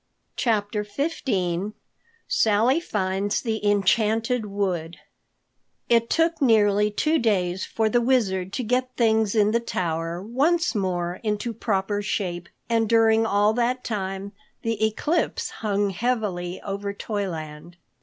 CHAPTER XV SALLY FINDS THE ENCHANTED WOOD IT took nearly two days for the Wizard to get things in the tower once more into proper shape and during all that time the eclipse hung heavily over Toyland.